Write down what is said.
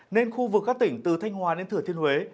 nên khu vực các tỉnh từ thanh hòa đến thừa thiên huế